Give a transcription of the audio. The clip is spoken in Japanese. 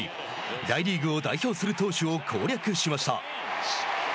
大リーグを代表する投手を攻略しました。